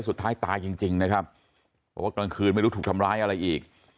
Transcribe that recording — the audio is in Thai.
สุดท้ายตายจริงนะครับเพราะว่ากลางคืนไม่รู้ถูกทำร้ายอะไรอีก